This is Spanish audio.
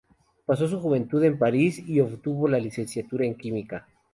Pasó su juventud en París y obtuvo la licenciatura en Química.